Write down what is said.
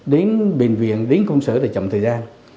đến bệnh viện đến công sở để chậm thời gian